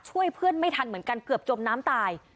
ช่วยเพื่อนไม่ทันเกือบจมน้ำตาย